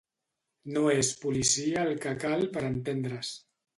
No és policia el que cal per entendre’s.